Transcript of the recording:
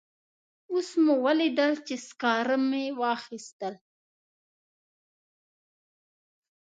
اوس مو ولیدل چې سکاره مې واخیستل.